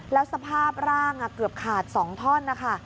และสภาพร่างเกือบขาดสองท่อน